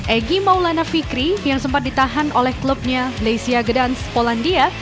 egy maulana fikri yang sempat ditahan oleh klubnya lesia gedans polandia